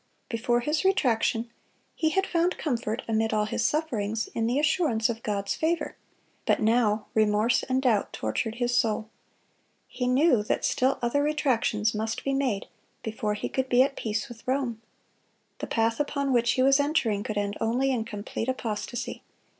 Before his retraction he had found comfort, amid all his sufferings, in the assurance of God's favor; but now remorse and doubt tortured his soul. He knew that still other retractions must be made before he could be at peace with Rome. The path upon which he was entering could end only in complete apostasy.